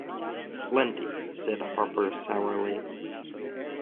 "Plenty," said Harper sourly.